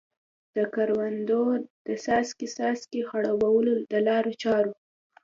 د کروندو د څاڅکې څاڅکي خړوبولو د لارو چارو.